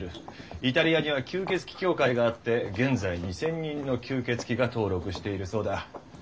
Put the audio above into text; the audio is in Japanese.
イタリアには「吸血鬼協会」があって現在２，０００人の「吸血鬼」が登録しているそうだ。